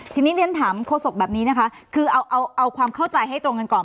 ทีนี้เรียนถามโฆษกแบบนี้นะคะคือเอาความเข้าใจให้ตรงกันก่อน